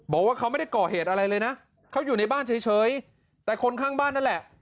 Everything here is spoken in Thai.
บอกว่าเขาไม่ได้ก่อเหตุอะไรเลยนะเขาอยู่ในบ้านเฉยแต่คนข้างบ้านนั่นแหละ